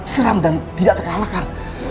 seram dan tidak terhalakan